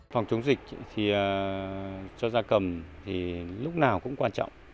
phòng chống dịch cho gia cầm lúc nào cũng quan trọng